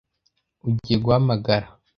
Ugiye guhamagara